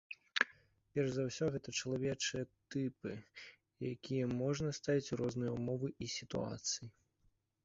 Перш за ўсё, гэта чалавечыя тыпы, якія можна ставіць у розныя ўмовы і сітуацыі.